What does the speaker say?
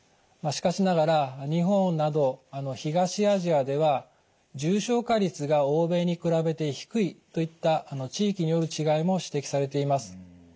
しかしながら日本など東アジアでは重症化率が欧米に比べて低いといった地域による違いも指摘されています。